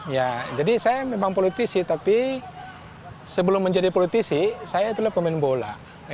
ya jadi saya memang politisi tapi sebelum menjadi politisi saya itulah pemain bola